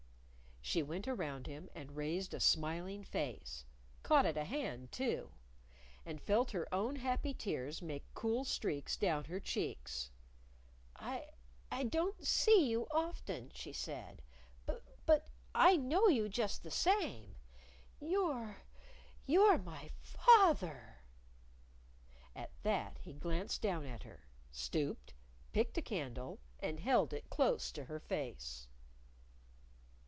She went around him and raised a smiling face caught at a hand, too; and felt her own happy tears make cool streaks down her cheeks. "I I don't see you often," she said, "bu but I know you just the same. You're you're my fath er!" At that, he glanced down at her stooped picked a candle and held it close to her face.